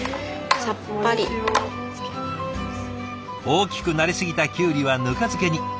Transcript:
大きくなりすぎたキュウリはぬか漬けに。